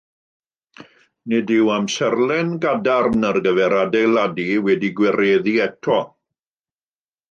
Nid yw amserlen gadarn ar gyfer adeiladu wedi'i gwireddu eto.